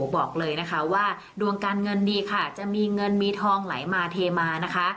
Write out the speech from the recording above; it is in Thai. บอกเลยนะคะว่าดวงการเงินดีค่ะจะมีเงินมีทองไหลมาเทมานะคะ